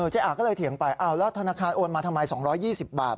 อาก็เลยเถียงไปแล้วธนาคารโอนมาทำไม๒๒๐บาท